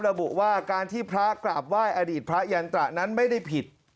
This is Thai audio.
ระบุว่าการที่พระกราบไหว้อดีตพระยันตระนั้นไม่ได้ผิด